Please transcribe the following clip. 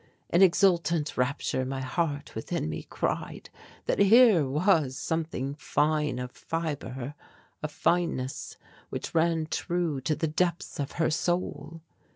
In exultant rapture my heart within me cried that here was something fine of fibre, a fineness which ran true to the depths of her soul.